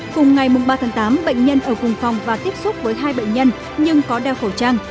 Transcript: cùng ngày ba tháng tám bệnh nhân ở cùng phòng và tiếp xúc với hai bệnh nhân nhưng có đeo khẩu trang